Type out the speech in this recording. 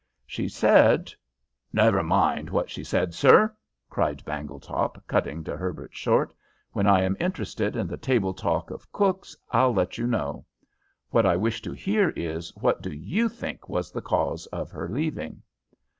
"She said " "Never mind what she said, sir," cried Bangletop, cutting De Herbert short. "When I am interested in the table talk of cooks, I'll let you know. What I wish to hear is what do you think was the cause of her leaving?"